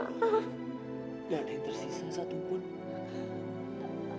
tidak ada yang tersisa satupun